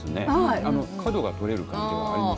角が取れるという感じがあります。